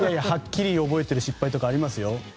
はっきり覚えている失敗とかありますよ。